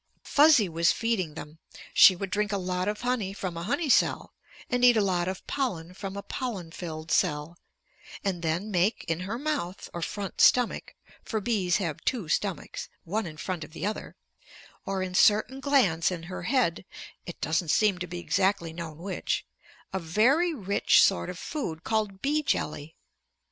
Fuzzy was feeding them. She would drink a lot of honey from a honey cell, and eat a lot of pollen from a pollen filled cell, and then make in her mouth or front stomach (for bees have two stomachs, one in front of the other), or in certain glands in her head (it doesn't seem to be exactly known which), a very rich sort of food called bee jelly.